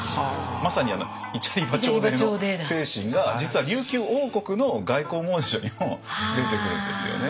まさにイチャリバチョーデーの精神が実は琉球王国の外交文書にも出てくるんですよね。